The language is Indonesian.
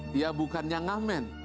dia bukannya ngamen